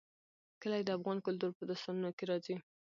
کلي د افغان کلتور په داستانونو کې راځي.